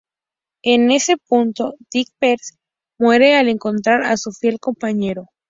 En ese punto, Dick Peters muere al encontrar a su fiel compañero.